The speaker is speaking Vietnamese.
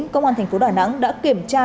công an thành phố đà nẵng đã kiểm tra